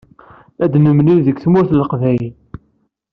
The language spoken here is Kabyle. Ad nemlil deg Tmurt n Leqbayel.